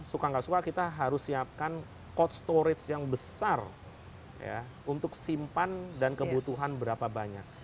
suka nggak suka kita harus siapkan cold storage yang besar untuk simpan dan kebutuhan berapa banyak